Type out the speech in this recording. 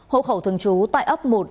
hộ khẩu thường trú tại ấp một